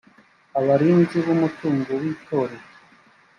abarinzi b umutungo w itorero